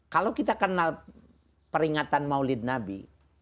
kalau kita kenal peringatan maulid nabi